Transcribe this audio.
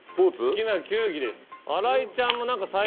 好きな球技です。